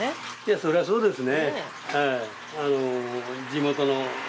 それはそうですね。